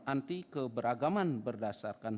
anti keberagaman berdasarkan